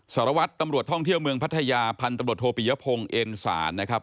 สารวัตรตำรวจท่องเที่ยวเมืองพัทยาพันตำรวจโทปิยพงศ์เอ็นศาลนะครับ